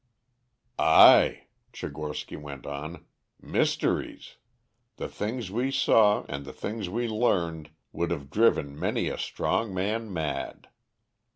"Ay," Tchigorsky went on, "mysteries! The things we saw and the things we learned would have driven many a strong man mad.